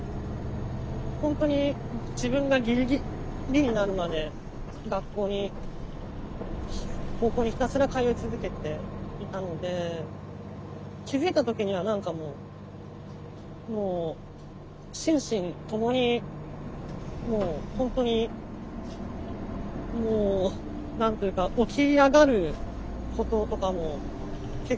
本当に自分がギリギリになるまで学校に高校にひたすら通い続けていたので気付いた時には何かもうもう心身ともにもう本当にもう何というか起き上がることとかも結構大変だったり。